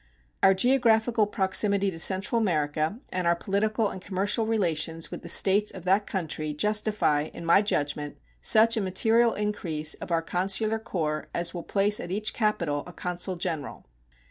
Our geographical proximity to Central America and our political and commercial relations with the States of that country justify, in my judgment, such a material increase of our consular corps as will place at each capital a consul general.